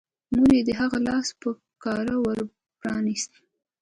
مور يې د هغه لاس په کراره ور پرانيست.